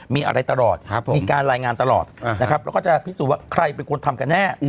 มีอะไรตลอดมีการรายงานตลอดนะครับแล้วก็จะพิสูจน์ว่าใครเป็นคนทำกันแน่